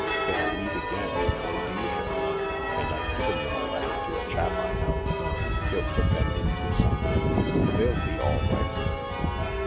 They'll meet again in Rhodesia. And I've given them a letter to a chap I know. Hell put them into something. They'll be all right."